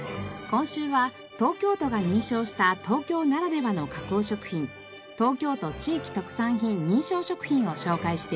今週は東京都が認証した東京ならではの加工食品東京都地域特産品認証食品を紹介しています。